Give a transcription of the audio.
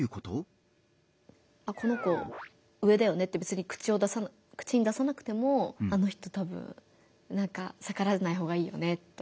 「この子上だよね」って口に出さなくても「あの人たぶんなんかさからわないほうがいいよね」とか。